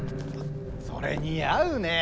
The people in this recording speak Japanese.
それ似合うねえ。